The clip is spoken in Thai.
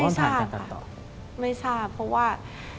ไม่ทราบค่ะไม่ทราบเพราะว่า